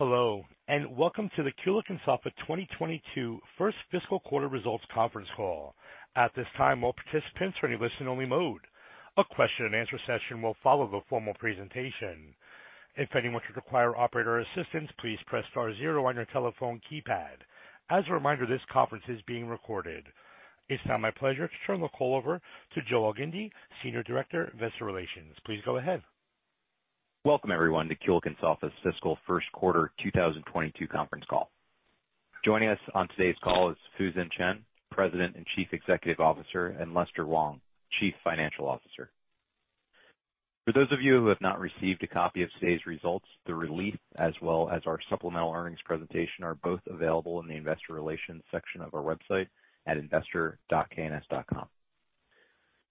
Hello, and welcome to the Kulicke and Soffa's 2022 first fiscal quarter results conference call. At this time, all participants are in listen-only mode. A question-and-answer session will follow the formal presentation. If anyone should require operator assistance, please Press Star zero on your telephone keypad. As a reminder, this conference is being recorded. It's now my pleasure to turn the call over to Joseph Elgindy, Senior Director, Investor Relations. Please go ahead. Welcome everyone to Kulicke and Soffa's fiscal first quarter 2022 conference call. Joining us on today's call is Fusen Chen, President and Chief Executive Officer, and Lester Wong, Chief Financial Officer. For those of you who have not received a copy of today's results, the release as well as our supplemental earnings presentation are both available in the investor relations section of our website at investor.kns.com.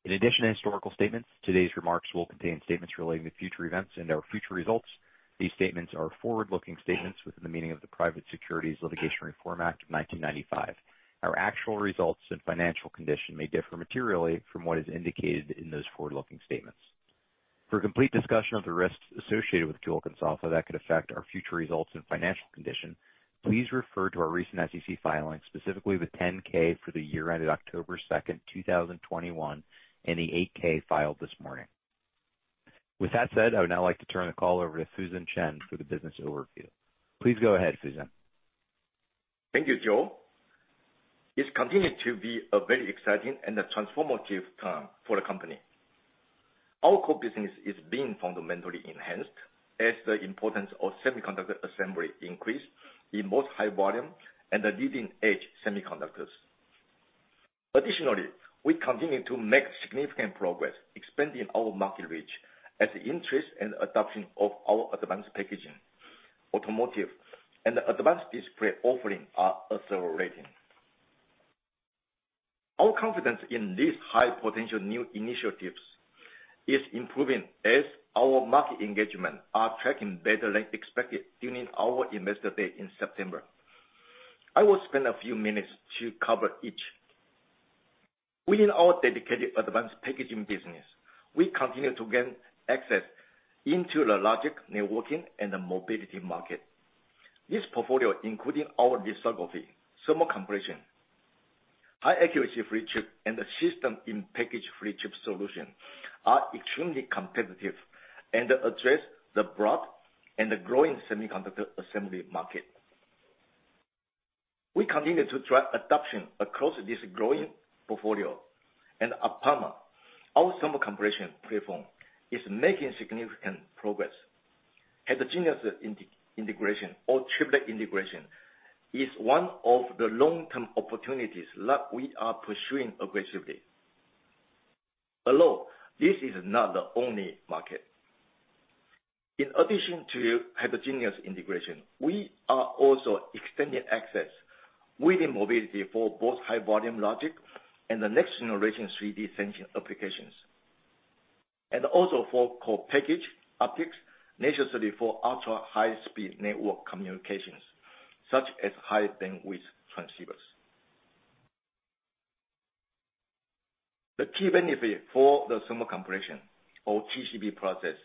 In addition to historical statements, today's remarks will contain statements relating to future events and our future results. These statements are forward-looking statements within the meaning of the Private Securities Litigation Reform Act of 1995. Our actual results and financial condition may differ materially from what is indicated in those forward-looking statements. For a complete discussion of the risks associated with Kulicke and Soffa that could affect our future results and financial condition, please refer to our recent SEC filings, specifically the 10-K for the year ended 2nd October 2021 and the 8-K filed this morning. With that said, I would now like to turn the call over to Fusen Chen for the business overview. Please go ahead, Fusen. Thank you, Joe. It's continued to be a very exciting and a transformative time for the company. Our core business is being fundamentally enhanced as the importance of semiconductor assembly increases in both high volume and the leading-edge semiconductors. Additionally, we continue to make significant progress expanding our market reach as the interest and adoption of our advanced packaging, automotive, and advanced display offerings are accelerating. Our confidence in these high potential new initiatives is improving as our market engagements are tracking better than expected during our Investor Day in September. I will spend a few minutes to cover each. Within our dedicated advanced packaging business, we continue to gain access into the logic, networking, and the mobility market. This portfolio, including our lithography, thermal compression, high accuracy flip chip, and the system in package flip chip solution, are extremely competitive and address the broad and the growing semiconductor assembly market. We continue to drive adoption across this growing portfolio. At APAMA, our thermal compression platform is making significant progress. Heterogeneous integration or chiplet integration is one of the long-term opportunities that we are pursuing aggressively. Although this is not the only market. In addition to heterogeneous integration, we are also extending access within mobility for both high volume logic and the next generation 3D sensing applications, and also for co-packaged optics necessary for ultra-high-speed network communications, such as high bandwidth transceivers. The key benefit for the thermal compression or TCB process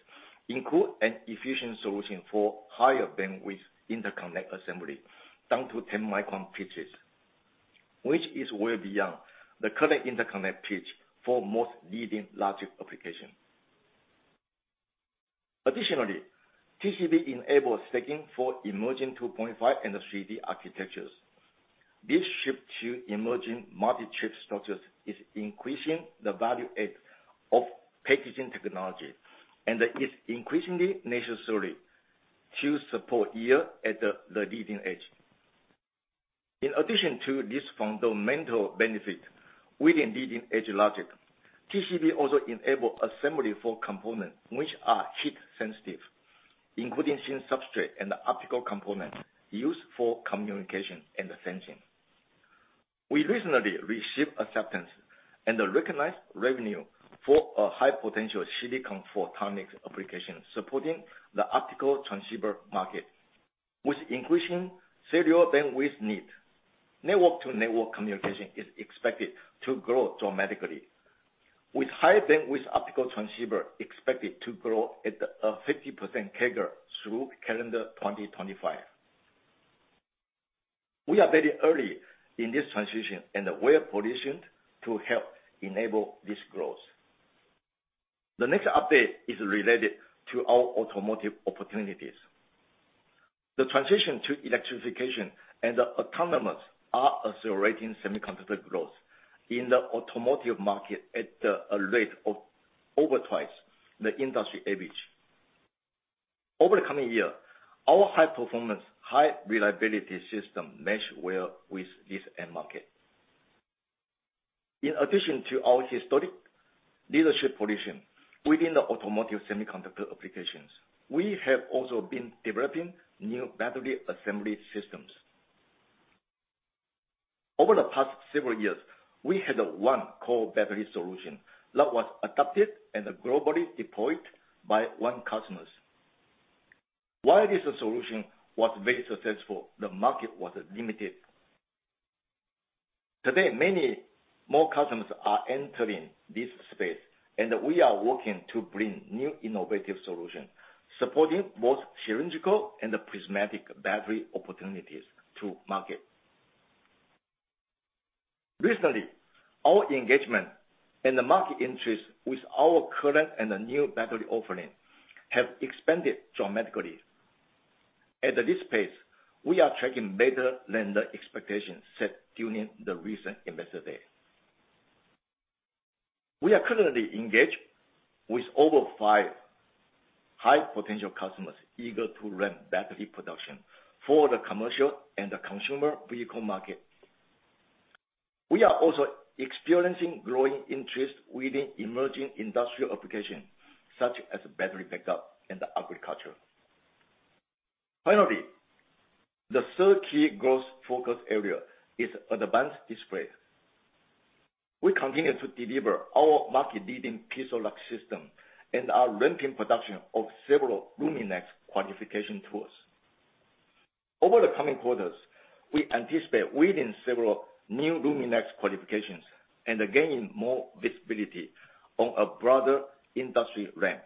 include an efficient solution for higher bandwidth interconnect assembly down to 10-micron pitches, which is way beyond the current interconnect pitch for most leading logic application. Additionally, TCB enables stacking for emerging 2.5 and 3D architectures. This shift to emerging multi-chip structures is increasing the value add of packaging technology and is increasingly necessary to support here at the leading edge. In addition to this fundamental benefit within leading-edge logic, TCB also enable assembly for components which are heat sensitive, including thin substrate and optical components used for communication and sensing. We recently received acceptance and recognized revenue for a high potential silicon photonics application supporting the optical transceiver market. With increasing serial bandwidth need, network-to-network communication is expected to grow dramatically, with high bandwidth optical transceiver expected to grow at a 50% CAGR through calendar 2025. We are very early in this transition, and we are positioned to help enable this growth. The next update is related to our automotive opportunities. The transition to electrification and autonomous are accelerating semiconductor growth in the automotive market at a rate of over twice the industry average. Over the coming year, our high-performance, high-reliability system mesh well with this end market. In addition to our historic leadership position within the automotive semiconductor applications, we have also been developing new battery assembly systems. Over the past several years, we had one core battery solution that was adopted and globally deployed by one customer. While this solution was very successful, the market was limited. Today, many more customers are entering this space, and we are working to bring new innovative solutions, supporting both cylindrical and the prismatic battery opportunities to market. Recently, our engagement and the market interest with our current and the new battery offering have expanded dramatically. At this pace, we are tracking better than the expectations set during the recent Investor Day. We are currently engaged with over five high potential customers eager to ramp battery production for the commercial and the consumer vehicle market. We are also experiencing growing interest within emerging industrial applications, such as battery backup and agriculture. Finally, the third key growth focus area is advanced display. We continue to deliver our market-leading PIXALUX system and are ramping production of several LUMINEX qualification tools. Over the coming quarters, we anticipate winning several new LUMINEX qualifications and gaining more visibility on a broader industry ramp.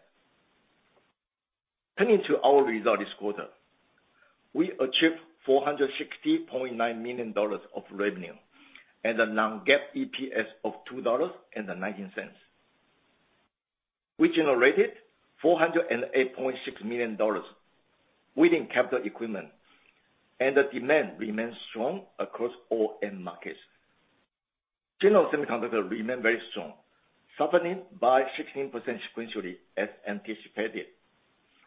Turning to our results this quarter. We achieved $460.9 million of revenue and a non-GAAP EPS of $2.19. We generated $408.6 million within capital equipment, and the demand remains strong across all end markets. General Semiconductor remained very strong, softening by 16% sequentially as anticipated.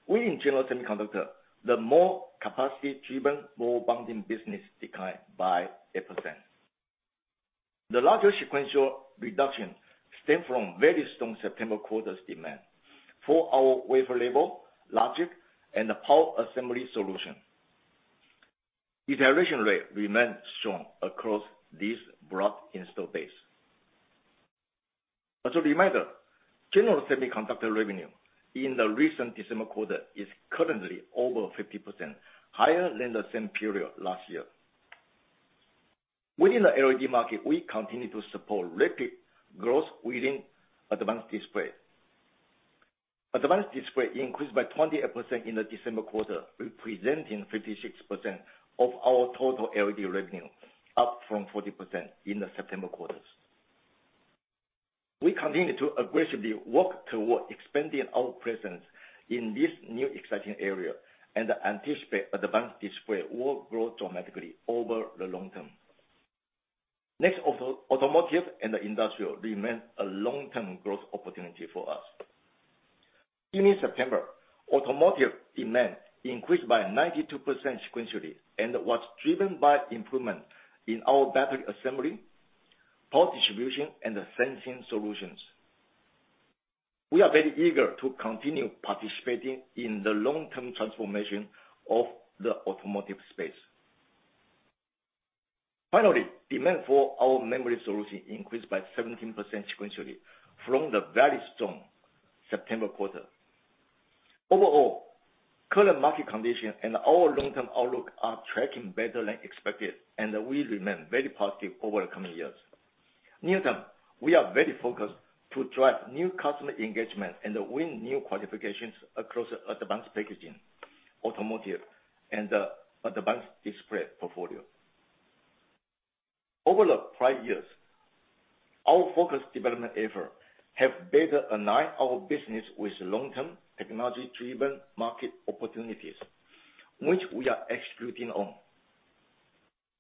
Within General Semiconductor, the more capacity-driven ball bonding business declined by 8%. The larger sequential reduction stemmed from very strong September quarters demand for our wafer-level logic and power assembly solution. Utilization rate remains strong across this broad install base. As a reminder, General Semiconductor revenue in the recent December quarter is currently over 50% higher than the same period last year. Within the LED market, we continue to support rapid growth within advanced display. Advanced display increased by 28% in the December quarter, representing 56% of our total LED revenue, up from 40% in the September quarters. We continue to aggressively work toward expanding our presence in this new exciting area and anticipate advanced display will grow dramatically over the long term. Next, automotive and industrial remains a long-term growth opportunity for us. In September, automotive demand increased by 92% sequentially and was driven by improvement in our battery assembly, power distribution, and sensing solutions. We are very eager to continue participating in the long-term transformation of the automotive space. Finally, demand for our memory solution increased by 17% sequentially from the very strong September quarter. Overall, current market conditions and our long-term outlook are tracking better than expected, and we remain very positive over the coming years. Near term, we are very focused to drive new customer engagement and win new qualifications across advanced packaging, automotive, and advanced display portfolio. Over the prior years, our focused development effort have better aligned our business with long-term technology-driven market opportunities, which we are executing on.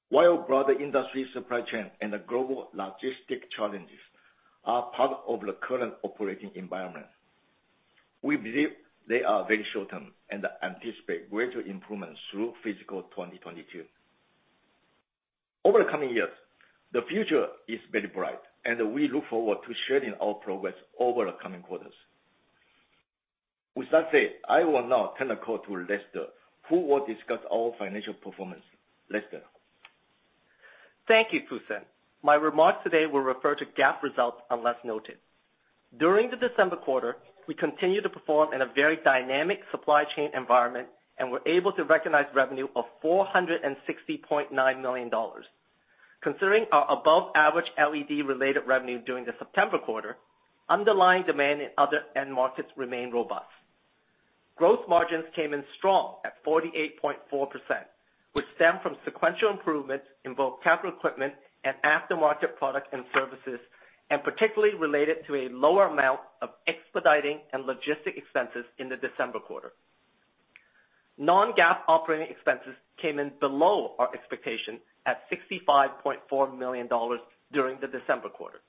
While broader industry supply chain and the global logistic challenges are part of the current operating environment, we believe they are very short term and anticipate greater improvements through fiscal 2022. Over the coming years, the future is very bright, and we look forward to sharing our progress over the coming quarters. With that said, I will now turn the call to Lester, who will discuss our financial performance. Lester. Thank you, Fusen. My remarks today will refer to GAAP results unless noted. During the December quarter, we continued to perform in a very dynamic supply chain environment and were able to recognize revenue of $460.9 million. Considering our above-average LED-related revenue during the September quarter, underlying demand in other end markets remained robust. Gross margins came in strong at 48.4%, which stemmed from sequential improvements in both capital equipment and aftermarket products and services, and particularly related to a lower amount of expediting and logistic expenses in the December quarter. non-GAAP operating expenses came in below our expectation at $65.4 million during the December quarter.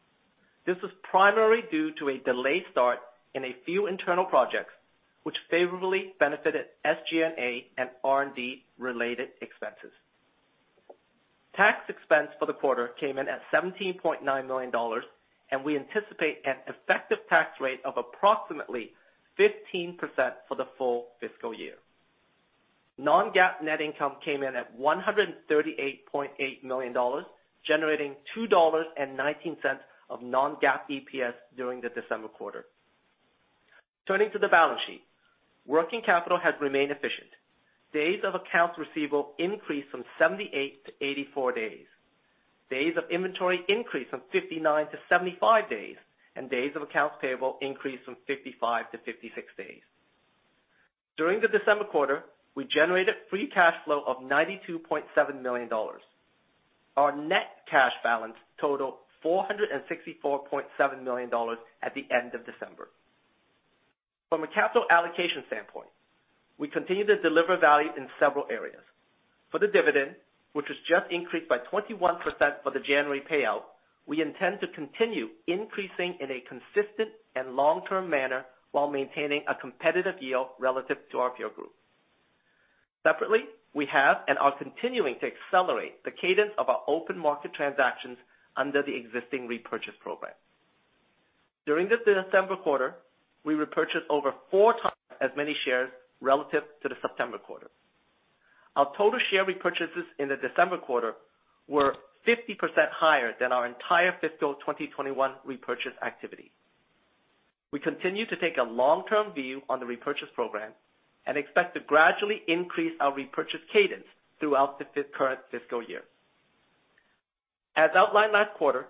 This was primarily due to a delayed start in a few internal projects, which favorably benefited SG&A and R&D related expenses. Tax expense for the quarter came in at $17.9 million, and we anticipate an effective tax rate of approximately 15% for the full fiscal year. Non-GAAP net income came in at $138.8 million, generating $2.19 of non-GAAP EPS during the December quarter. Turning to the balance sheet. Working capital has remained efficient. Days of accounts receivable increased from 78-84 days. Days of inventory increased from 59-75 days. Days of accounts payable increased from 55-56 days. During the December quarter, we generated free cash flow of $92.7 million. Our net cash balance totaled $464.7 million at the end of December. From a capital allocation standpoint, we continue to deliver value in several areas. For the dividend, which was just increased by 21% for the January payout, we intend to continue increasing in a consistent and long-term manner while maintaining a competitive yield relative to our peer group. Separately, we have and are continuing to accelerate the cadence of our open market transactions under the existing repurchase program. During this December quarter, we repurchased over 4x as many shares relative to the September quarter. Our total share repurchases in the December quarter were 50% higher than our entire fiscal 2021 repurchase activity. We continue to take a long-term view on the repurchase program and expect to gradually increase our repurchase cadence throughout the current fiscal year. As outlined last quarter,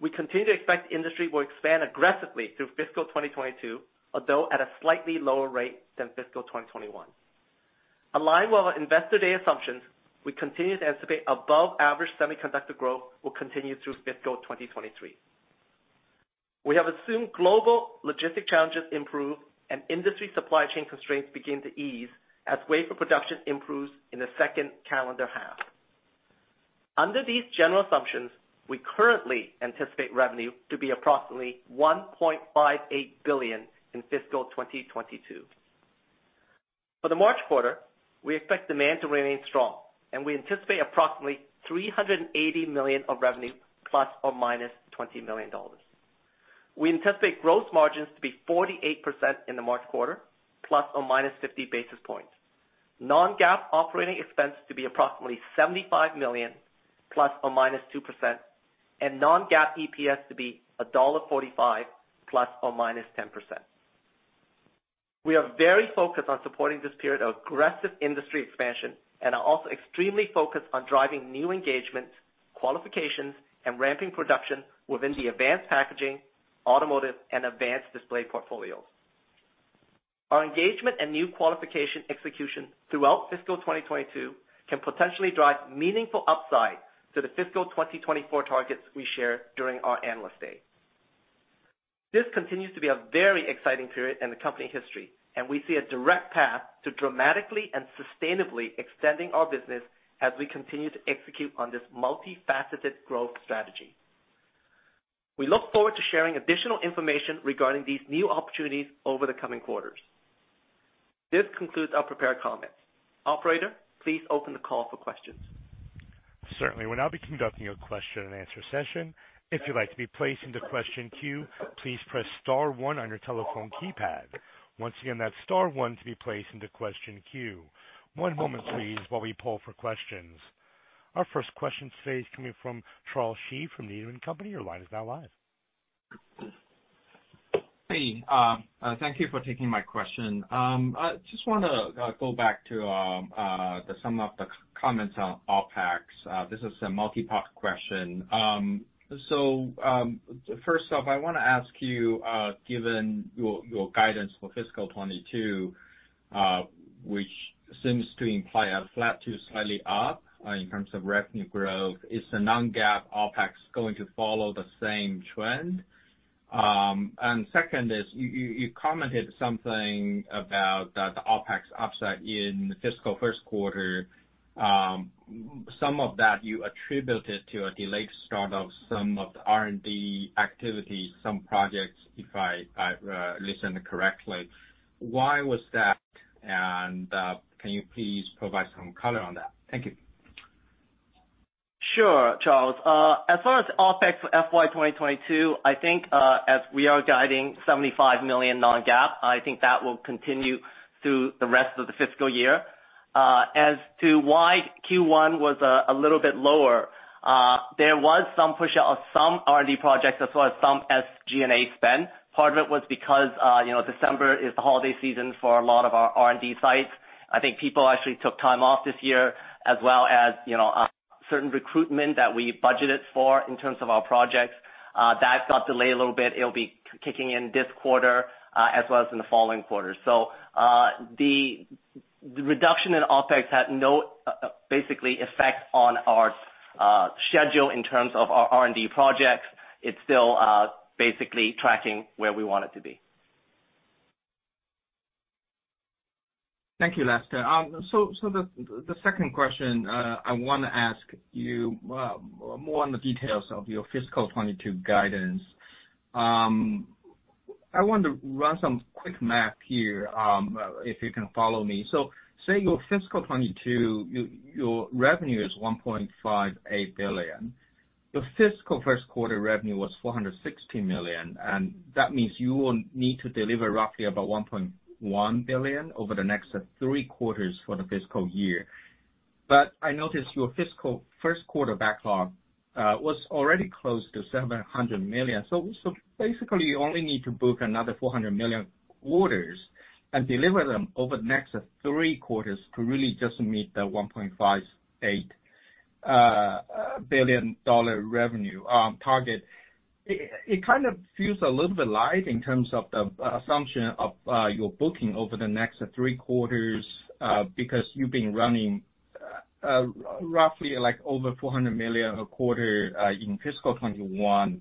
we continue to expect the industry will expand aggressively through fiscal 2022, although at a slightly lower rate than fiscal 2021. Aligned with our Investor Day assumptions, we continue to anticipate above average semiconductor growth will continue through fiscal 2023. We have assumed global logistic challenges improve and industry supply chain constraints begin to ease as wafer production improves in the second calendar half. Under these general assumptions, we currently anticipate revenue to be approximately $1.58 billion in fiscal 2022. For the March quarter, we expect demand to remain strong, and we anticipate approximately $380 million of revenue ±$20 million. We anticipate gross margins to be 48% in the March quarter, ±50 basis points. Non-GAAP operating expense to be approximately $75 million, ±2%. Non-GAAP EPS to be $1.45, ±10%. We are very focused on supporting this period of aggressive industry expansion and are also extremely focused on driving new engagements, qualifications, and ramping production within the advanced packaging, automotive, and advanced display portfolios. Our engagement and new qualification execution throughout fiscal 2022 can potentially drive meaningful upside to the fiscal 2024 targets we shared during our Analyst Day. This continues to be a very exciting period in the company history, and we see a direct path to dramatically and sustainably extending our business as we continue to execute on this multifaceted growth strategy. We look forward to sharing additional information regarding these new opportunities over the coming quarters. This concludes our prepared comments. Operator, please open the call for questions. Certainly. We'll now be conducting a question-and-answer session. If you'd like to be placed into question queue, please press star one on your telephone keypad. Once again, that's star one to be placed into question queue. One moment please, while we poll for questions. Our first question today is coming from Charles Shi from Needham & Company. Your line is now live. Thank you for taking my question. I just wanna go back to some of the comments on OpEx. This is a multi-part question. First off, I wanna ask you, given your guidance for fiscal 2022, which seems to imply a flat to slightly up in terms of revenue growth, is the non-GAAP OpEx going to follow the same trend? Second, you commented something about that OpEx upside in the fiscal first quarter. Some of that you attributed to a delayed start of some of the R&D activity, some projects, if I listened correctly. Why was that? Can you please provide some color on that? Thank you. Sure, Charles. As far as OpEx for FY 2022, I think, as we are guiding $75 million non-GAAP, I think that will continue through the rest of the fiscal year. As to why Q1 was a little bit lower, there was some push out of some R&D projects as well as some SG&A spend. Part of it was because, you know, December is the holiday season for a lot of our R&D sites. I think people actually took time off this year as well as, you know, certain recruitment that we budgeted for in terms of our projects that got delayed a little bit. It'll be kicking in this quarter as well as in the following quarter. The reduction in OpEx had basically no effect on our schedule in terms of our R&D projects. It's still, basically tracking where we want it to be. Thank you, Lester. The second question I want to ask you more on the details of your fiscal 2022 guidance. I want to run some quick math here, if you can follow me. Say your fiscal 2022 revenue is $1.58 billion. Your fiscal first quarter revenue was $460 million, and that means you will need to deliver roughly about $1.1 billion over the next three quarters for the fiscal year. I noticed your fiscal first quarter backlog was already close to $700 million. Basically you only need to book another $400 million orders and deliver them over the next three quarters to really just meet the $1.58 billion revenue target. It kind of feels a little bit light in terms of the assumption of your booking over the next three quarters because you've been running roughly like over $400 million a quarter in fiscal 2021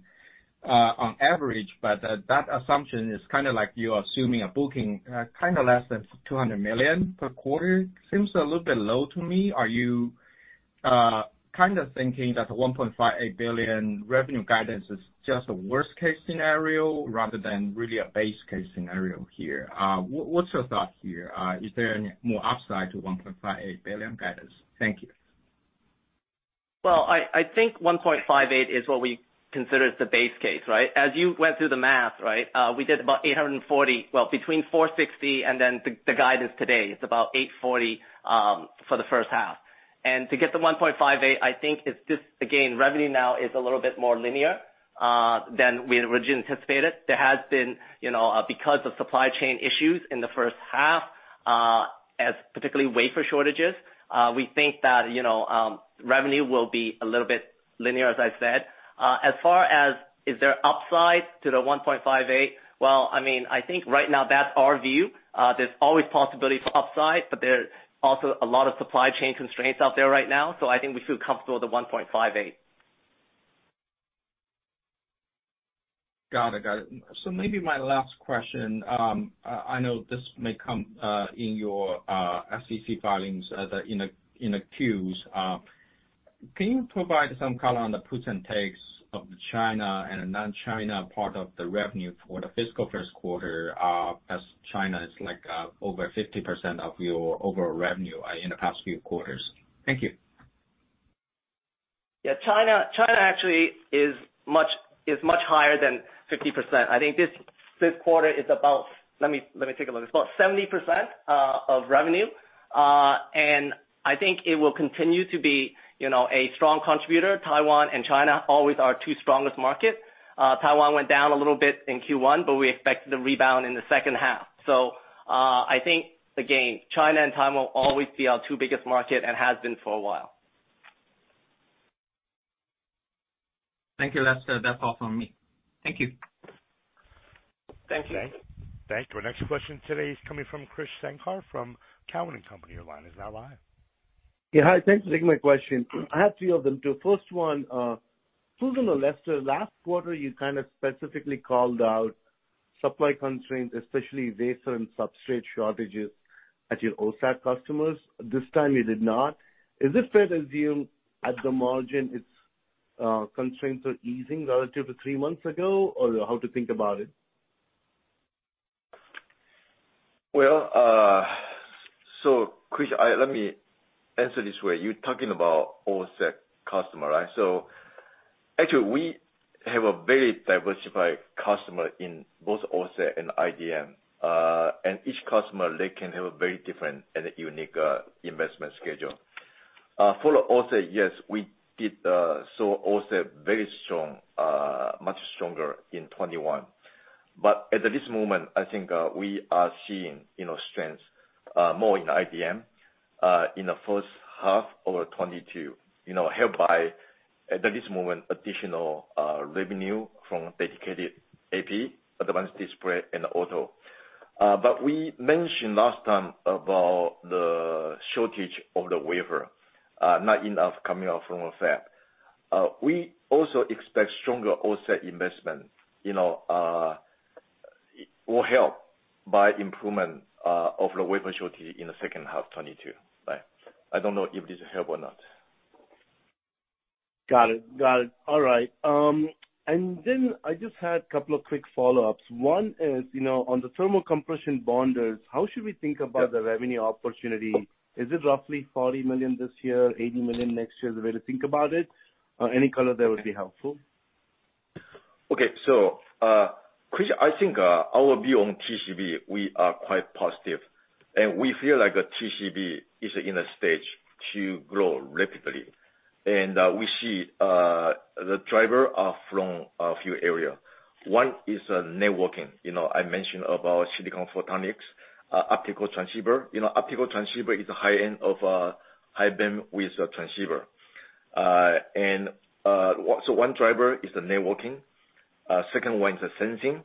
on average. That assumption is kinda like you're assuming a booking kinda less than $200 million per quarter. Seems a little bit low to me. Are you kinda thinking that the $1.58 billion revenue guidance is just a worst case scenario rather than really a base case scenario here? What's your thought here? Is there any more upside to $1.58 billion guidance? Thank you. Well, I think 1.58 is what we consider the base case, right? As you went through the math, right, between 460 and then the guidance today, it's about 840 for the first half. To get to 1.58, I think it's just, again, revenue now is a little bit more linear than we originally anticipated. There has been, you know, because of supply chain issues in the first half, especially wafer shortages, we think that, you know, revenue will be a little bit linear, as I said. As far as, is there upside to the 1.58? Well, I mean, I think right now that's our view. There's always possibility for upside, but there's also a lot of supply chain constraints out there right now. I think we feel comfortable with the $1.58. Got it. Maybe my last question, I know this may come in your SEC filings as in a Qs. Can you provide some color on the puts and takes of the China and non-China part of the revenue for the fiscal first quarter, as China is like over 50% of your overall revenue in the past few quarters? Thank you. Yeah. China actually is much higher than 50%. I think this quarter is about Let me take a look. It's about 70% of revenue. And I think it will continue to be, you know, a strong contributor. Taiwan and China always our two strongest markets. Taiwan went down a little bit in Q1, but we expect to rebound in the second half. I think again, China and Taiwan will always be our two biggest market and has been for a while. Thank you, Lester. That's all from me. Thank you. Thank you. Thanks. Our next question today is coming from Krish Sankar from TD Cowen. Your line is now live. Yeah. Hi, thanks for taking my question. I have three of them too. First one, Fusen or Lester, last quarter, you kinda specifically called out supply constraints, especially wafer and substrate shortages at your OSAT customers. This time you did not. Is it fair to assume at the margin it's constraints are easing relative to three months ago? Or how to think about it? Well, so Krish, let me answer this way. You're talking about OSAT customer, right? Actually we have a very diversified customer in both OSAT and IDM. Each customer, they can have a very different and unique investment schedule. For OSAT, yes, we did see OSAT very strong much stronger in 2021. At this moment, I think we are seeing, you know, strength more in IDM in the first half of 2022. You know, helped by at this moment additional revenue from dedicated AP, advanced display and auto. We mentioned last time about the shortage of the wafer not enough coming out from a fab. We also expect stronger OSAT investment, you know, will help by improvement of the wafer shortage in the second half 2022. Right. I don't know if this help or not. Got it. All right. Then I just had a couple of quick follow-ups. One is, you know, on the thermal compression bonders, how should we think about the revenue opportunity? Is it roughly $40 million this year, $80 million next year, the way to think about it? Any color there would be helpful. Okay. Krish, I think our view on TCB, we are quite positive. We feel like TCB is in a stage to grow rapidly. We see the driver from a few areas. One is networking. You know, I mentioned about silicon photonics, optical transceiver. You know, optical transceiver is high end of high-bandwidth transceiver. One driver is the networking. Second one is the sensing,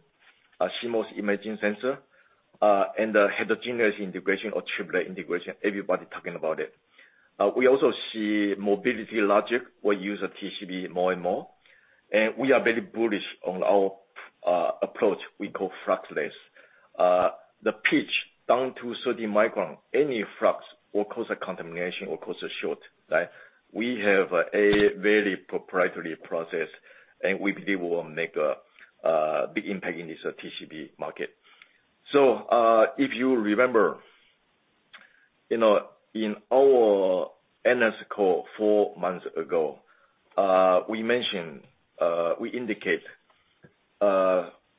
CMOS image sensor, and the heterogeneous integration or chiplet integration. Everybody talking about it. We also see mobility logic will use TCB more and more. We are very bullish on our approach we call fluxless. The pitch down to 30 micron, any flux will cause a contamination, will cause a short. Right? We have a very proprietary process, and we believe will make a big impact in this TCB market. If you remember, you know, in our earnings call four months ago, we mentioned FY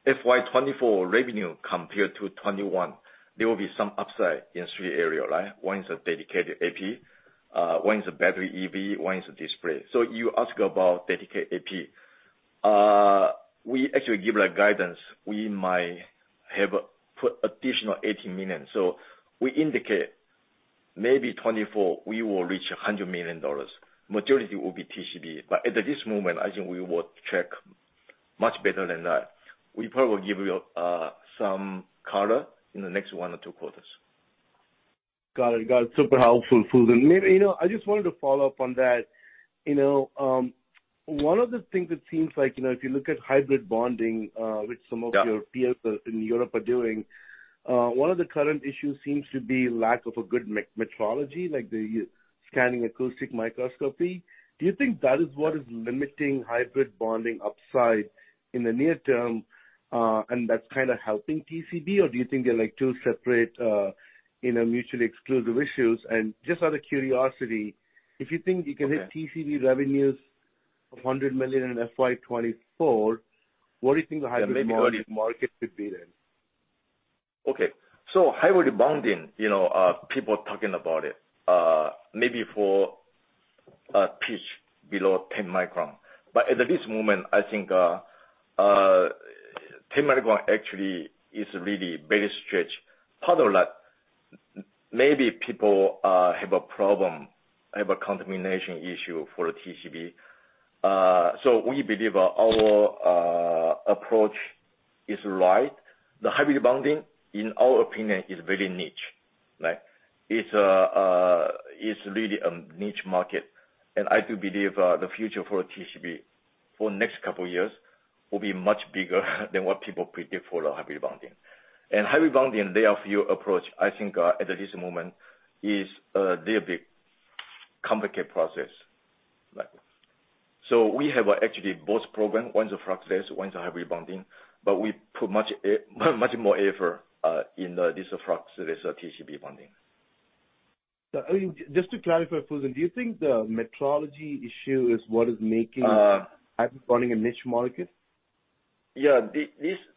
2024 revenue compared to 2021, there will be some upside in three area, right? One is a dedicated AP, one is a battery EV, one is a display. You ask about dedicated AP. We actually give like guidance. We might have put additional $80 million. We indicate maybe 2024, we will reach $100 million. Majority will be TCB. At this moment, I think we would check much better than that. We probably give you some color in the next one or two quarters. Got it. Super helpful, Fusen. Maybe, you know, I just wanted to follow up on that. You know, one of the things it seems like, you know, if you look at hybrid bonding, which some of- Yeah. How your peers in Europe are doing, one of the current issues seems to be lack of a good metrology, like the scanning acoustic microscopy. Do you think that is what is limiting hybrid bonding upside in the near term, and that's kinda helping TCB? Or do you think they're like two separate, you know, mutually exclusive issues? Just out of curiosity, if you think you can hit TCB revenues of $100 million in FY 2024, what do you think the hybrid bonding market could be then? Okay. Hybrid bonding, you know, people are talking about it, maybe for a pitch below 10 micron. At this moment, I think, 10 micron actually is really very stretched. Part of that, maybe people have a contamination issue for TCB. We believe our approach is right. The hybrid bonding, in our opinion, is very niche, right? It's really a niche market. I do believe the future for TCB for next couple years will be much bigger than what people predict for the hybrid bonding. Hybrid bonding, their view approach, I think, at this moment is little bit complicated process, right? We have actually both program. One is a fluxless, one is a hybrid bonding, but we put much more effort in this fluxless TCB bonding. I mean, just to clarify, Fusen, do you think the metrology issue is what is making? Uh- Is hybrid bonding a niche market?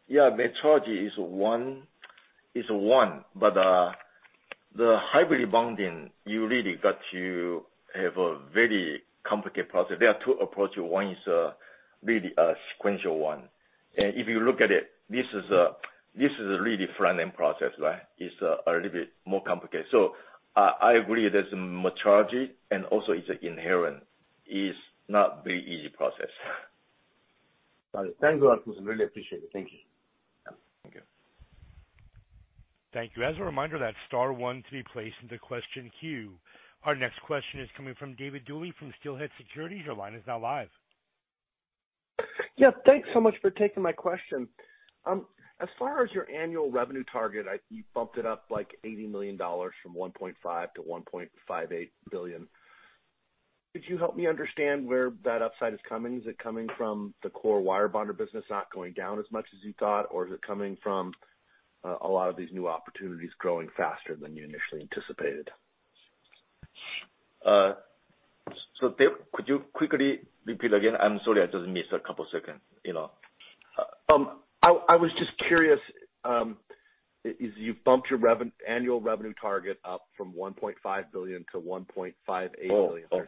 Metrology is one, but the hybrid bonding, you really got to have a very complicated process. There are two approach. One is really a sequential one. If you look at it, this is a really front-end process, right? It's a little bit more complicated. I agree there's metrology and also it's inherent. It's not very easy process. Got it. Thank you, Fusen. Really appreciate it. Thank you. Yeah. Thank you. Thank you. As a reminder, that's star one to be placed into question queue. Our next question is coming from David Duley from Steelhead Securities. Your line is now live. Yeah. Thanks so much for taking my question. As far as your annual revenue target, you bumped it up like $80 million from $1.5 billion-$1.58 billion. Could you help me understand where that upside is coming from? Is it coming from the core wire bonder business not going down as much as you thought, or is it coming from a lot of these new opportunities growing faster than you initially anticipated? Could you quickly repeat again? I'm sorry, I just missed a couple seconds, you know. I was just curious, as you've bumped your annual revenue target up from $1.5 billion to $1.58 billion. Oh. Okay.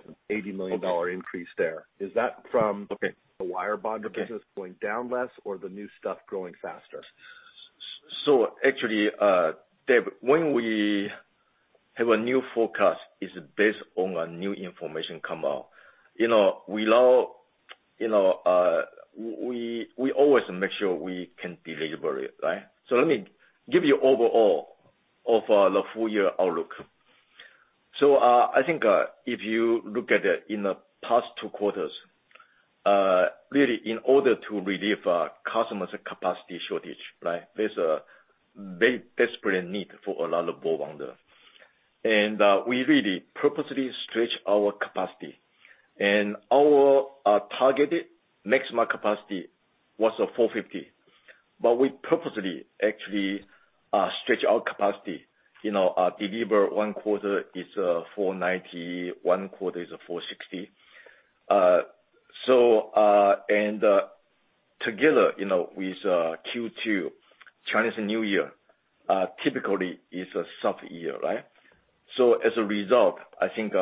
$80 million increase there. Is that from Okay. The wire bonder business going down less or the new stuff growing faster? Actually, Dave, when we have a new forecast, it's based on new information come out. You know, we allow, you know, we always make sure we can deliver it, right? Let me give you overall of the full year outlook. I think, if you look at it in the past two quarters, really in order to relieve customers' capacity shortage, right? There's a desperate need for a lot of bonders. We really purposely stretch our capacity. Our targeted maximum capacity was 450, but we purposely actually stretch our capacity. You know, deliver one quarter is 490, one quarter is 460. Together, you know, with Q2, Chinese New Year, typically is a soft year, right? As a result, I think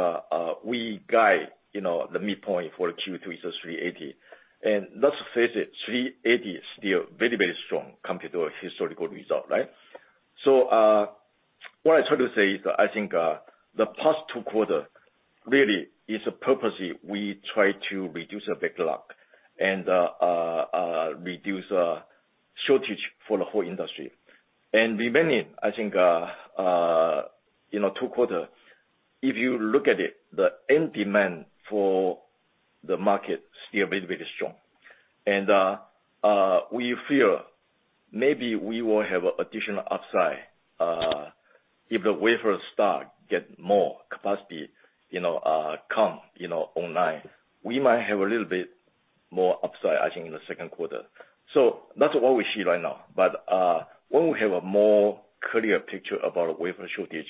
we guide, you know, the midpoint for Q2 is $380. Let's face it, $380 is still very, very strong compared to historical result, right? What I try to say is I think the past two quarter really is a purposely we try to reduce a backlog and reduce shortage for the whole industry. The remaining, I think, you know, two quarter, if you look at it, the end demand for the market still very, very strong. We feel maybe we will have additional upside if the wafer stock get more capacity, you know, come online. We might have a little bit more upside, I think, in the second quarter. That's what we see right now. When we have a more clearer picture about wafer shortage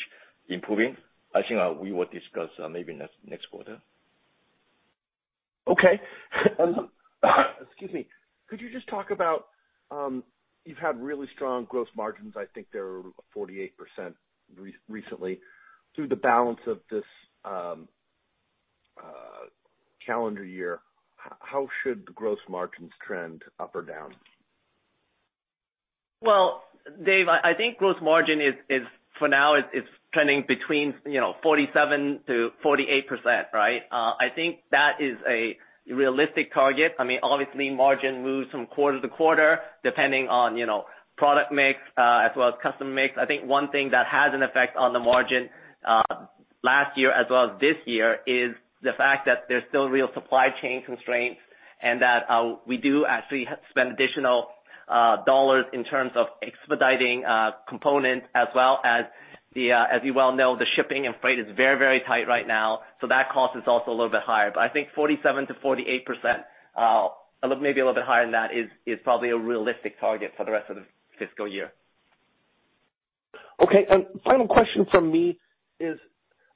improving, I think we will discuss maybe next quarter. Okay. Excuse me. Could you just talk about, you've had really strong gross margins, I think they were 48% recently. Through the balance of this calendar year, how should the gross margins trend up or down? Well, Dave, I think gross margin for now is trending between, you know, 47%-48%, right? I think that is a realistic target. I mean, obviously, margin moves from quarter to quarter, depending on, you know, product mix, as well as customer mix. I think one thing that has an effect on the margin last year as well as this year is the fact that there's still real supply chain constraints and that we do actually have to spend additional dollars in terms of expediting components as well as the, as you well know, the shipping and freight is very, very tight right now. So that cost is also a little bit higher. I think 47%-48%, a little, maybe a little bit higher than that is probably a realistic target for the rest of the fiscal year. Okay. Final question from me is,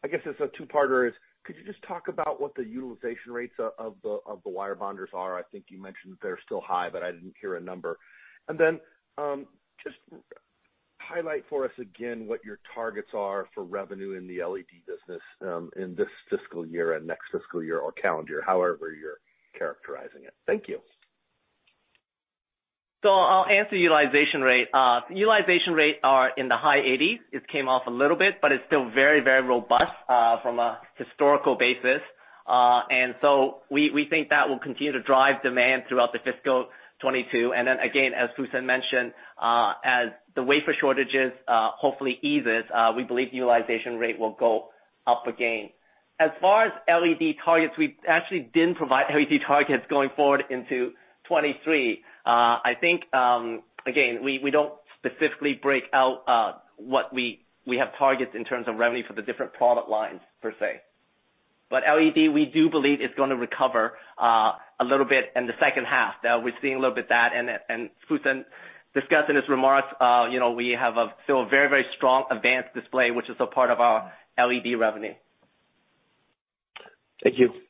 I guess it's a two-parter, is could you just talk about what the utilization rates of the wire bonders are? I think you mentioned they're still high, but I didn't hear a number. Then, just highlight for us again what your targets are for revenue in the LED business, in this fiscal year and next fiscal year or calendar, however you're characterizing it. Thank you. I'll answer utilization rate. The utilization rate are in the high eighties. It came off a little bit, but it's still very, very robust from a historical basis. We think that will continue to drive demand throughout the fiscal 2022. As Fusen mentioned, as the wafer shortages hopefully eases, we believe the utilization rate will go up again. As far as LED targets, we actually didn't provide LED targets going forward into 2023. I think, again, we don't specifically break out what we have targets in terms of revenue for the different product lines per se. LED, we do believe is gonna recover a little bit in the second half. Now we're seeing a little bit that and Fusen discussed in his remarks, you know, we have a still very, very strong advanced display, which is a part of our LED revenue. Thank you. Thank you.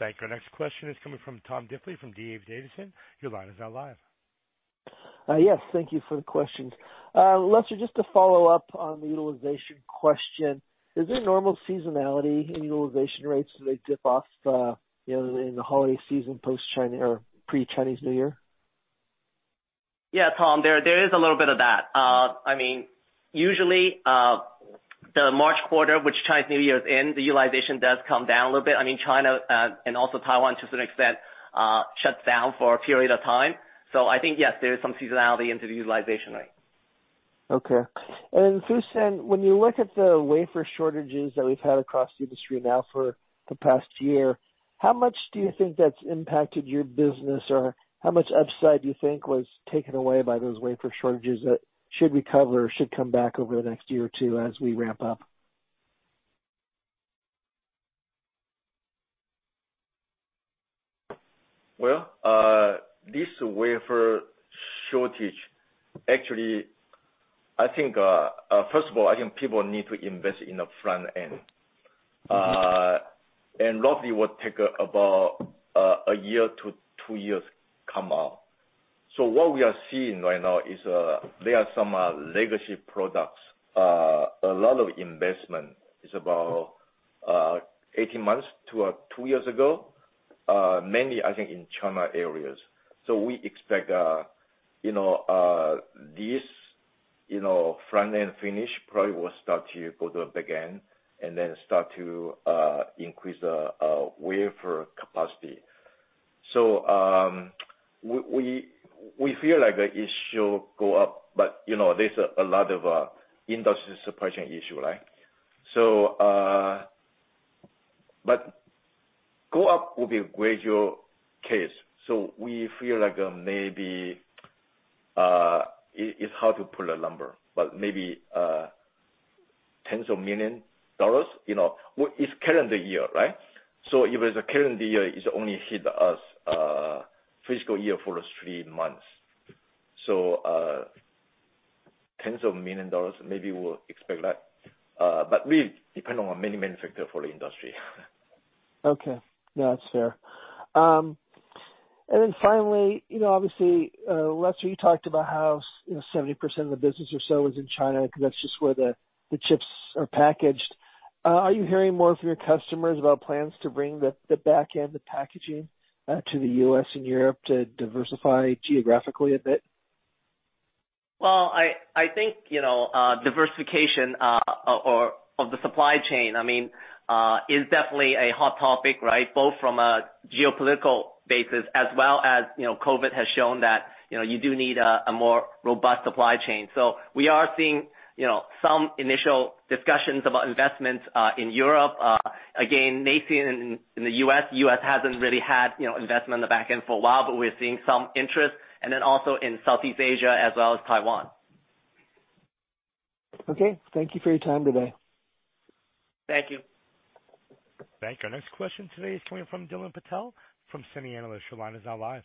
Our next question is coming from Tom Diffely from D.A. Davidson. Your line is now live. Yes. Thank you for the questions. Lester, just to follow up on the utilization question, is there normal seasonality in utilization rates? Do they dip off, you know, in the holiday season post China or pre-Chinese New Year? Yeah, Tom, there is a little bit of that. I mean, usually, the March quarter, which Chinese New Year is in, the utilization does come down a little bit. I mean, China, and also Taiwan to certain extent, shuts down for a period of time. I think, yes, there is some seasonality into the utilization rate. Okay. Fusen, when you look at the wafer shortages that we've had across the industry now for the past year, how much do you think that's impacted your business? Or how much upside do you think was taken away by those wafer shortages that should recover or should come back over the next year or two as we ramp up? Well, actually, I think first of all, I think people need to invest in the front end. Roughly will take about a year to two years come out. What we are seeing right now is there are some legacy products. A lot of investment is about 18 months to two years ago, mainly I think in China areas. We expect you know this you know front-end finish probably will start to build up again and then start to increase the wafer capacity. We feel like the issue go up, but you know, there's a lot of industry supply chain issue, right? But go up will be a gradual case. We feel like maybe it's hard to pull a number, but maybe $ tens of millions. You know, it's the current year, right? If it's the current year, it's only hit us in the fiscal year for three months. Tens of millions, maybe we'll expect that, but we depend on many factors for the industry. Okay. No, that's fair. And then finally, you know, obviously, Lester, you talked about how, you know, 70% of the business or so is in China 'cause that's just where the chips are packaged. Are you hearing more from your customers about plans to bring the back end, the packaging, to the U.S. and Europe to diversify geographically a bit? Well, I think, you know, diversification of the supply chain, I mean, is definitely a hot topic, right? Both from a geopolitical basis as well as, you know, COVID has shown that, you know, you do need a more robust supply chain. We are seeing, you know, some initial discussions about investments in Europe, again, nascent in the U.S. U.S. hasn't really had, you know, investment on the back end for a while, but we're seeing some interest and then also in Southeast Asia as well as Taiwan. Okay. Thank you for your time today. Thank you. Thank you. Our next question today is coming from Dylan Patel from SemiAnalysis. Your line is now live.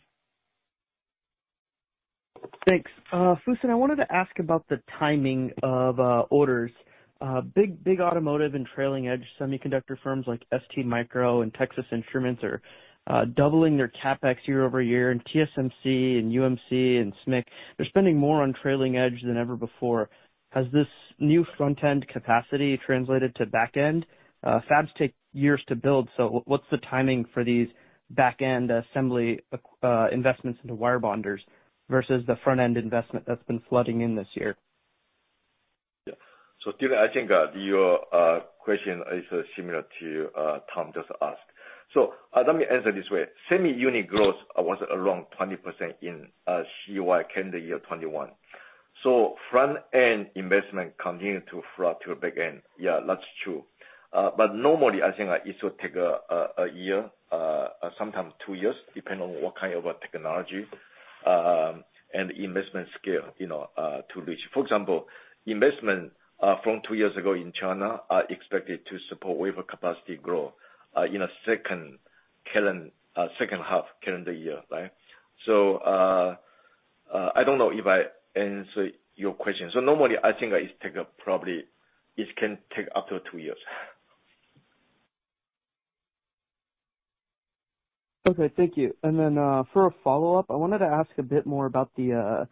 Thanks. Fusen, I wanted to ask about the timing of orders. Big automotive and trailing edge semiconductor firms like STMicroelectronics and Texas Instruments are doubling their CapEx year over year, and TSMC and UMC and SMIC, they're spending more on trailing edge than ever before. Has this new front end capacity translated to back end? Fabs take years to build, so what's the timing for these back end assembly investments into wire bonders versus the front end investment that's been flooding in this year? Yeah. Dylan, I think your question is similar to Tom just asked. Let me answer this way. Semi-unit growth was around 20% in CY calendar year 2021. Front end investment continue to flow to the back end. Yeah, that's true. Normally I think it will take a year, sometimes two years, depending on what kind of a technology and investment scale, you know, to reach. For example, investment from two years ago in China are expected to support wafer capacity growth in a second half calendar year, right? I don't know if I answer your question. Normally I think it take probably. It can take up to two years. Okay, thank you. For a follow-up, I wanted to ask a bit more about the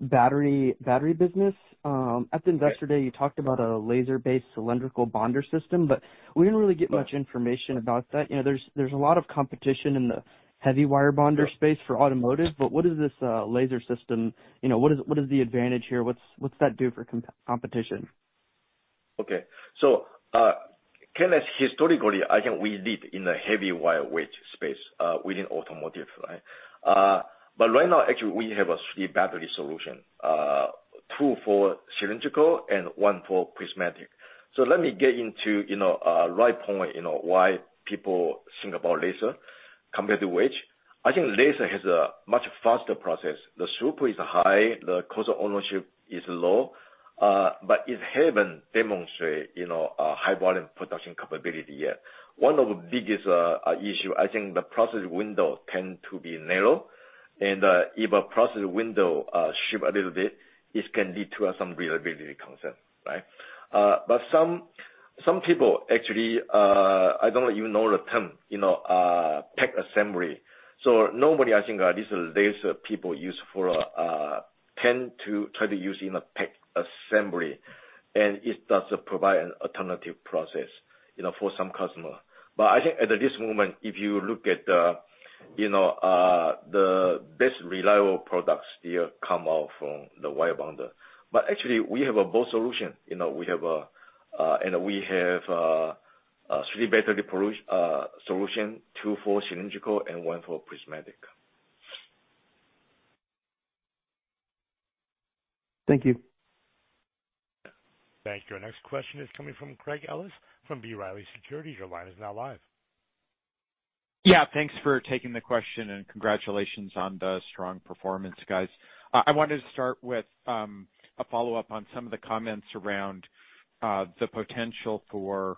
battery business. Okay. At the Investor Day, you talked about a laser-based cylindrical bonder system, but we didn't really get much information about that. You know, there's a lot of competition in the heavy wire bonder space for automotive, but what is this laser system? You know, what is the advantage here? What's that do for competition? Okay. K&S historically, I think we lead in the heavy wire wedge space within automotive, right? Right now, actually we have a three battery solution, two for cylindrical and one for prismatic. Let me get into, you know, right point, you know, why people think about laser compared to wedge. I think laser has a much faster process. The throughput is high, the cost of ownership is low, but it haven't demonstrate, you know, a high volume production capability yet. One of the biggest issue, I think the process window tend to be narrow and, if a process window shift a little bit, it can lead to some reliability concern, right? Some people actually, I don't even know the term, you know, pack assembly. Normally, I think this is laser people use for tend to try to use in a pack assembly, and it does provide an alternative process, you know, for some customer. But I think at this moment, if you look at, you know, the best reliable products still come out from the wire bonder. But actually we have both solutions. You know, we have a three battery solution, two for cylindrical and 1 for prismatic. Thank you. Thank you. Our next question is coming from Craig Ellis from B. Riley Securities. Your line is now live. Yeah, thanks for taking the question and congratulations on the strong performance, guys. I wanted to start with a follow-up on some of the comments around the potential for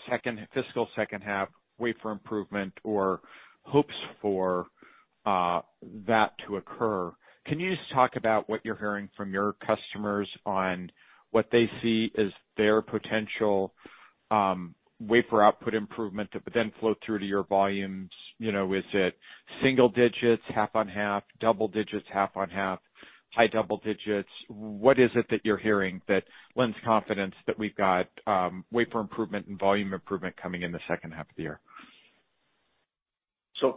fiscal second half wafer improvement or hopes for that to occur. Can you just talk about what you're hearing from your customers on what they see as their potential wafer output improvement that would then flow through to your volumes? You know, is it single digits half-on-half, double digits half-on-half, high double digits? What is it that you're hearing that lends confidence that we've got wafer improvement and volume improvement coming in the second half of the year?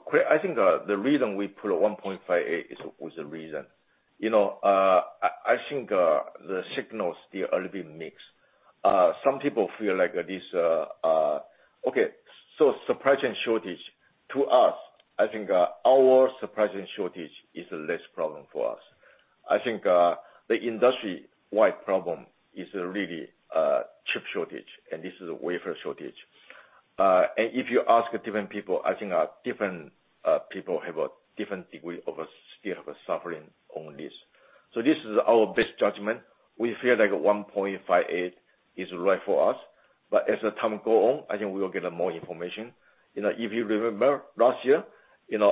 Craig, I think the reason we put a 1.58 is the reason. You know, I think the signals still a little bit mixed. Some people feel like this. Supply chain shortage, to us, I think our supply chain shortage is less problem for us. I think the industry-wide problem is really chip shortage and this is a wafer shortage. If you ask different people, I think different people have a different degree of still suffering on this. This is our best judgment. We feel like 1.58 is right for us, but as the time go on, I think we will get more information. You know, if you remember last year, you know,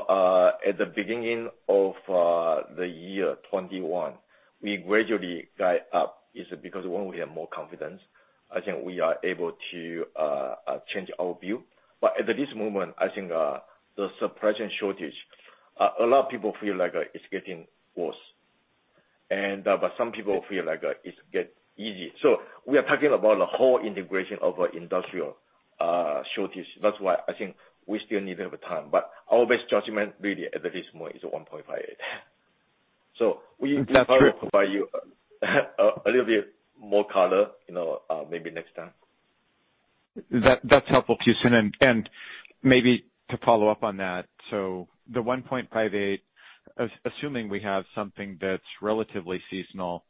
at the beginning of the year 2021, we gradually got up. It's because when we have more confidence, I think we are able to change our view. At this moment, I think the supply chain shortage, a lot of people feel like it's getting worse. Some people feel like it's getting easier. We are talking about the whole integration of industrial shortage. That's why I think we still need a little bit time, but our best judgment really at this moment is 1.58. We need to provide you a little bit more color, you know, maybe next time. That's helpful, Fusen. Maybe to follow up on that, the 1.58, assuming we have something that's relatively seasonal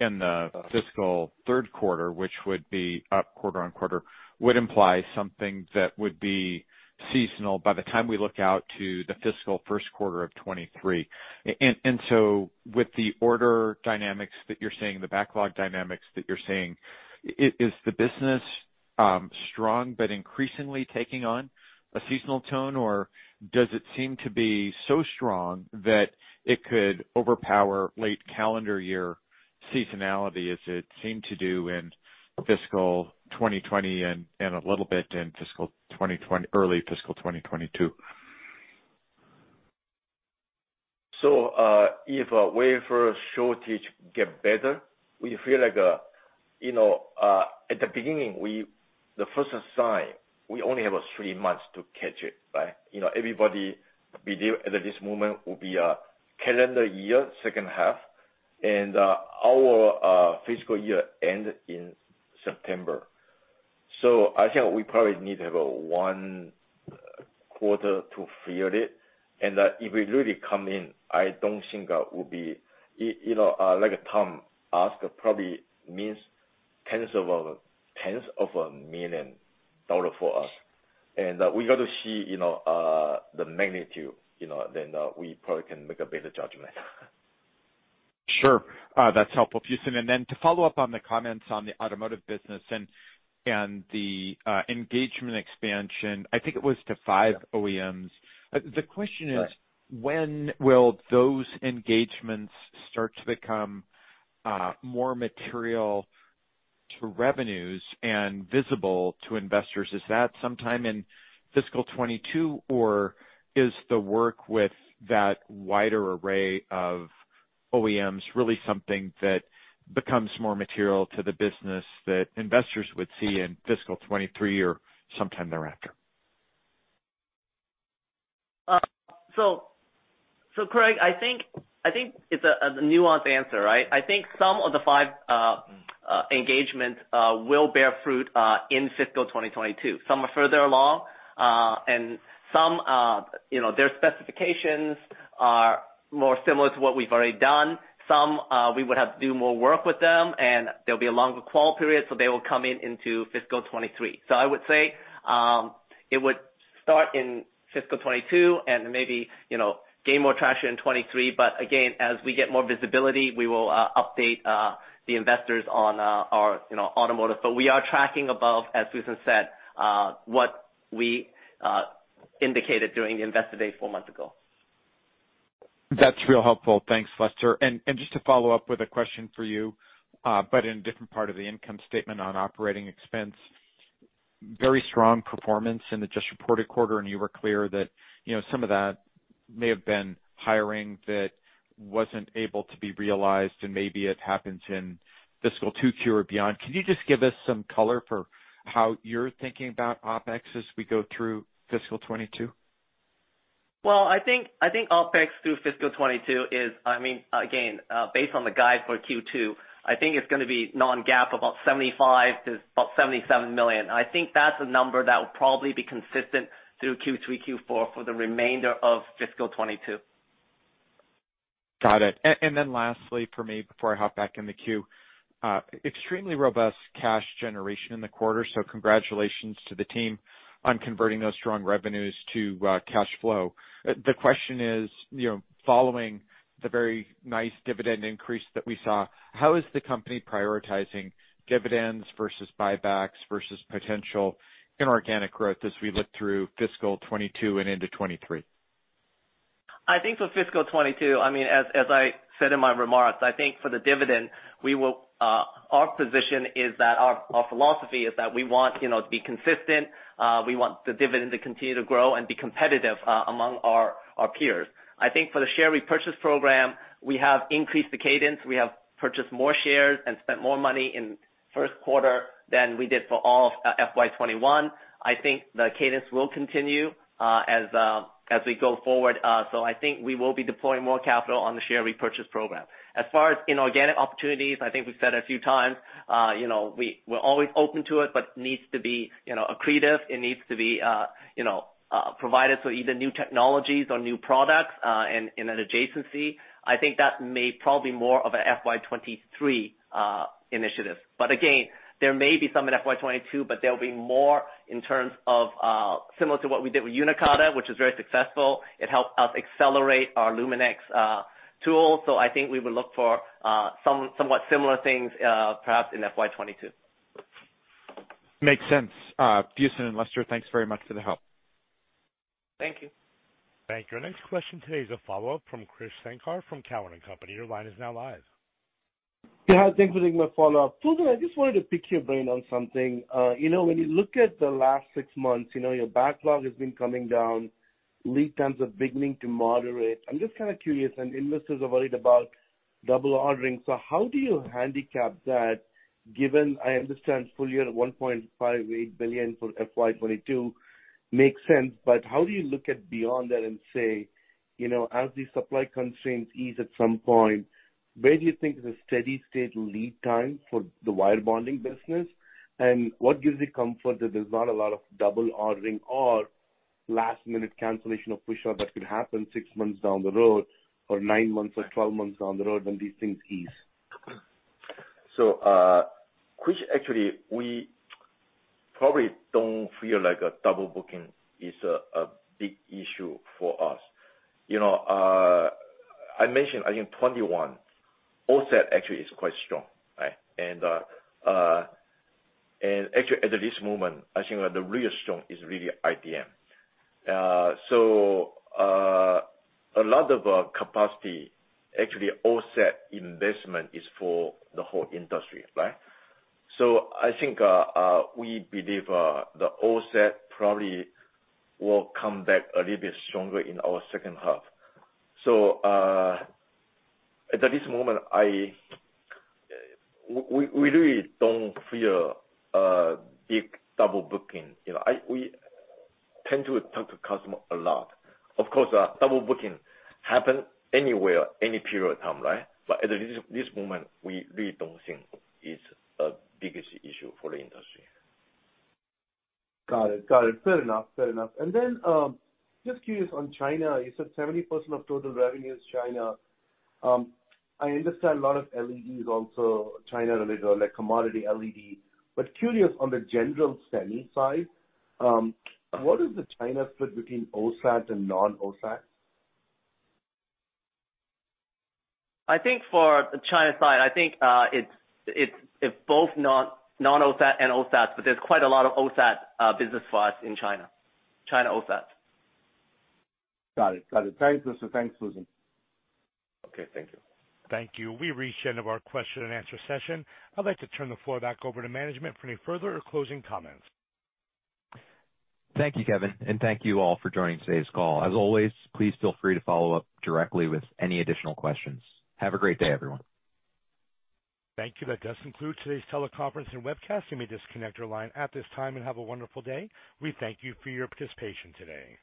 in the fiscal third quarter, which would be up quarter-on-quarter, would imply something that would be seasonal by the time we look out to the fiscal first quarter of 2023. With the order dynamics that you're seeing, the backlog dynamics that you're seeing, is the business strong but increasingly taking on a seasonal tone? Or does it seem to be so strong that it could overpower late calendar year seasonality as it seemed to do in fiscal 2020 and a little bit in early fiscal 2022? If a wafer shortage get better, we feel like you know at the beginning the first sign we only have three months to catch it, right? You know everybody we deal with at this moment will be a calendar year second half, and our fiscal year end in September. I think we probably need to have one quarter to feel it. If it really come in, I don't think that will be you know like Tom asked, probably means tens of millions of dollars for us. We got to see you know the magnitude you know then we probably can make a better judgment. Sure. That's helpful, Fusen. To follow up on the comments on the automotive business and the engagement expansion, I think it was to 5 OEMs. The question is- Right. When will those engagements start to become more material to revenues and visible to investors? Is that sometime in fiscal 2022, or is the work with that wider array of OEMs really something that becomes more material to the business that investors would see in fiscal 2023 or sometime thereafter? Craig, I think it's a nuanced answer, right? I think some of the five engagements will bear fruit in fiscal 2022. Some are further along, and some, you know, their specifications are more similar to what we've already done. Some we would have to do more work with them, and there'll be a longer qual period, so they will come into fiscal 2023. I would say it would start in fiscal 2022 and maybe, you know, gain more traction in 2023. Again, as we get more visibility, we will update the investors on our, you know, automotive. We are tracking above, as Fusen said, what we indicated during Investor Day 4 months ago. That's real helpful. Thanks, Lester. Just to follow up with a question for you, but in a different part of the income statement on operating expense. Very strong performance in the just reported quarter, and you were clear that, you know, some of that may have been hiring that wasn't able to be realized, and maybe it happens in fiscal 2Q or beyond. Can you just give us some color for how you're thinking about OpEx as we go through fiscal 2022? Well, I think OpEx through fiscal 2022 is I mean, again, based on the guide for Q2, I think it's gonna be non-GAAP, about $75 million-$77 million. I think that's a number that will probably be consistent through Q3, Q4 for the remainder of fiscal 2022. Got it. And then lastly for me, before I hop back in the queue. Extremely robust cash generation in the quarter, so congratulations to the team on converting those strong revenues to cash flow. The question is, you know, following the very nice dividend increase that we saw, how is the company prioritizing dividends versus buybacks versus potential inorganic growth as we look through fiscal 2022 and into 2023? I think for fiscal 2022, I mean, as I said in my remarks, I think for the dividend, we will, our position is that our philosophy is that we want, you know, to be consistent, we want the dividend to continue to grow and be competitive, among our peers. I think for the share repurchase program, we have increased the cadence. We have purchased more shares and spent more money in first quarter than we did for all of FY 2021. I think the cadence will continue, as we go forward. I think we will be deploying more capital on the share repurchase program. As far as inorganic opportunities, I think we've said a few times, you know, we're always open to it, but needs to be, you know, accretive. It needs to be, you know, provided for either new technologies or new products, in an adjacency. I think that maybe more of an FY 2023 initiative. Again, there may be some in FY 2022, but there'll be more in terms of, similar to what we did with Uniqarta, which is very successful. It helped us accelerate our LUMINEX tool. I think we will look for, somewhat similar things, perhaps in FY 2022. Makes sense. Fusen and Lester, thanks very much for the help. Thank you. Thank you. Our next question today is a follow-up from Krish Sankar from TD Cowen. Your line is now live. Yeah. Thanks for taking my follow-up. Fusen, I just wanted to pick your brain on something. You know, when you look at the last six months, you know, your backlog has been coming down, lead times are beginning to moderate. I'm just kinda curious, and investors are worried about double ordering. How do you handicap that given, I understand, full year $1.58 billion for FY 2022 makes sense, but how do you look at beyond that and say, you know, as these supply constraints ease at some point, where do you think is a steady-state lead time for the wire bonding business? And what gives you comfort that there's not a lot of double ordering or last-minute cancellation of push off that could happen six months down the road or nine months or 12 months down the road when these things ease? Krish, actually, we probably don't feel like double booking is a big issue for us. You know, I mentioned, I think 21, OSAT actually is quite strong, right? Actually at this moment, I think the real strong is really IDM. A lot of capacity, actually OSAT investment is for the whole industry, right? I think we believe the OSAT probably will come back a little bit stronger in our second half. At this moment, we really don't feel a big double booking. You know, we tend to talk to customer a lot. Of course, double booking happen anywhere, any period of time, right? At this moment, we really don't think it's a biggest issue for the industry. Got it. Fair enough. Then, just curious on China, you said 70% of total revenue is China. I understand a lot of LED is also China related, like commodity LED. Curious on the general semi side, what is the China split between OSAT and non-OSAT? I think for China side, I think, it's both non-OSAT and OSAT, but there's quite a lot of OSAT business for us in China. China OSAT. Got it. Thanks, Lester Wong. Thanks, Fusen Chen. Okay, thank you. Thank you. We've reached the end of our question and answer session. I'd like to turn the floor back over to management for any further closing comments. Thank you, Kevin, and thank you all for joining today's call. As always, please feel free to follow up directly with any additional questions. Have a great day, everyone. Thank you. That does conclude today's teleconference and webcast. You may disconnect your line at this time and have a wonderful day. We thank you for your participation today.